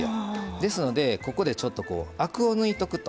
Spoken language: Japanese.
ですので、ここでアクを抜いておくと。